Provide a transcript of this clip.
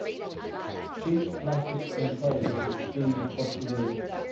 Sheets, blankets, and clothes were strewn across the room.